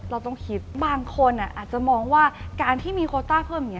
เราต้องคิดบางคนอาจจะมองว่าการที่มีโคต้าเพิ่มอย่างนี้